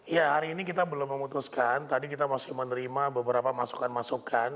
ya hari ini kita belum memutuskan tadi kita masih menerima beberapa masukan masukan